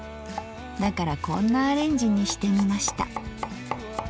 だからこんなアレンジにしてみました。